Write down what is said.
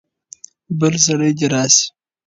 بل سړی دې راسي.